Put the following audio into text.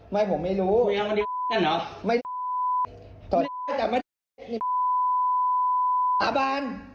ไม่ผมไม่รู้คุยกันวันเดียวกันเหรอไม่ต่อจับมาสาบาน